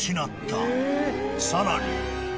［さらに］